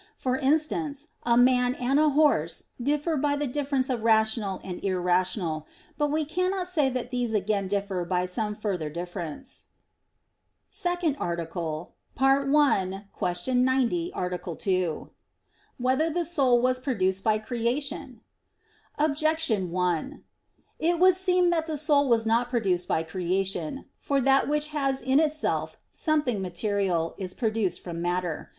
For instance, a man and a horse differ by the difference of rational and irrational; but we cannot say that these again differ by some further difference. _______________________ SECOND ARTICLE [I, Q. 90, Art. 2] Whether the Soul Was Produced by Creation? Objection 1: It would seem that the soul was not produced by creation. For that which has in itself something material is produced from matter.